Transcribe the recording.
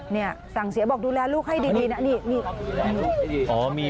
เนี่ยสั่งเสียบอกดูแลลูกให้ดีนะนี่